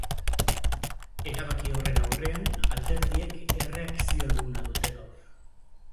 Erabaki horrenaurrean, alderdiek erreakzio eguna dute gaur.